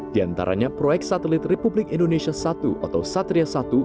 di antaranya proyek satelit republik indonesia satu atau satria satu